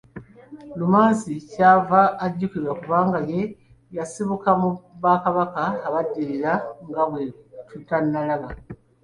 Lumansi kyava ajjukirwa kubanga ye yasibukamu Bakabaka abaddirira nga bwe tunaalaba.